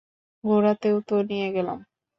ঘুরাতেও তো নিয়ে গেলাম।